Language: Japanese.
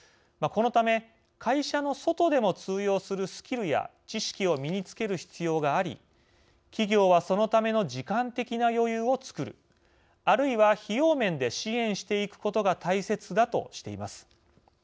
このため会社の外でも通用するスキルや知識を身につける必要があり企業はそのための時間的な余裕をつくるあるいは費用面で支援していくことが大切だとしています。